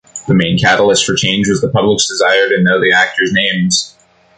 The main catalyst for change was the public's desire to know the actors' names.